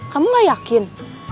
kamu nggak yakin